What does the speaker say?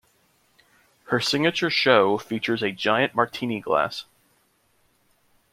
Her signature show features a giant martini glass.